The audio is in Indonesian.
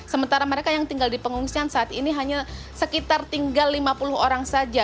sementara mereka yang tinggal di pengungsian saat ini hanya sekitar tinggal lima puluh orang saja